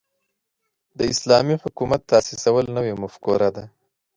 د اسلامي حکومت تاسیسول نوې مفکوره ده.